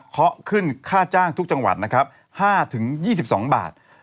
เคาะขึ้นค่าจ้างทุกจังหวัด๕ถึง๒๒บาท